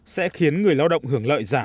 sẽ khiến người lao động hưởng lợi giảm